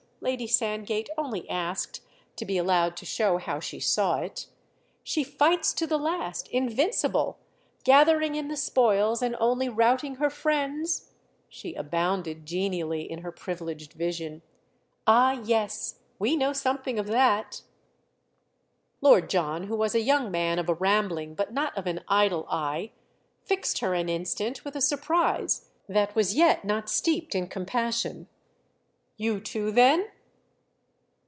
—Lady Sand gate only asked to be allowed to show how she saw it. "She fights to the last, invincible; gathering in the spoils and only routing her friends?" She abounded genially in her privileged vision. "Ah yes—we know something of that!" Lord John, who was a young man of a rambling but not of an idle eye, fixed her an instant with a surprise that was yet not steeped in compassion. "You too then?"